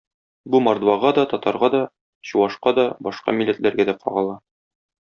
Бу мордвага да, татарга да, чувашка да, башка милләтләргә дә кагыла.